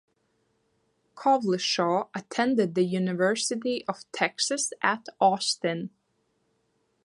Cowlishaw attended the University of Texas at Austin.